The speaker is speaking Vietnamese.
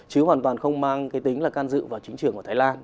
chứ hoàn toàn không mang tính can dự vào chính trường ở thái lan